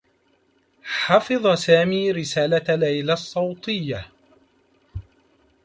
حفظ سامي رسالة ليلى الصّوتيّة.